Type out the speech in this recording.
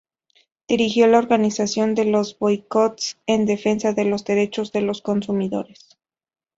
Dirigió la organización de boicots en defensa de los derechos de los consumidores.